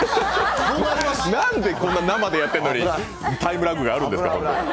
なんで生でやってるのにタイムラグがあるんですか？